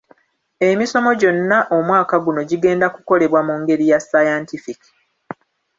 Emisomo gyonna omwaka guno gigenda kukolebwa mu ngeri ya ssaayantifiki.